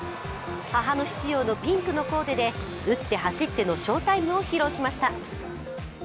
母の日仕様のピンクのコーデで打って走っての翔タイムを披露しました。